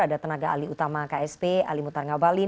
ada tenaga ali utama ksp ali mutar ngabalin